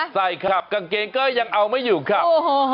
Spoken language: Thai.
ใส่ครับกางเกงก็ยังเอาไม่อยู่ครับ